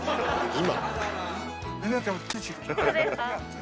今？